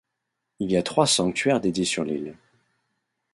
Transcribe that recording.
Il y a trois sanctuaires dédiés sur l'île.